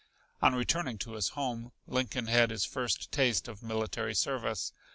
On returning to his home Lincoln had his first taste of military service.